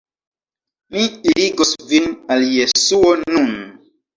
"Mi irigos vin al Jesuo nun."